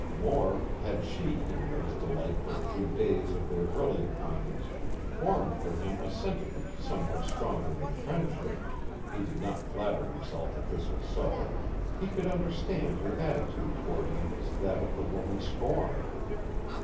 More, had she, in those delightful few days of their early acquaintance, formed for him a sentiment somewhat stronger than friendship (he did not flatter himself that this was so), he could understand her attitude toward him as that of the woman scorned.